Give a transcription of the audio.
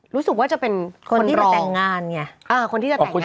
รู้สึกว่าจะเป็นคนรอคนที่จะแต่งงานไง